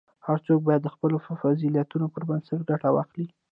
هر څوک باید د خپلو فضیلتونو پر بنسټ ګټه واخلي.